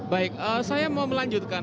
baik saya mau melanjutkan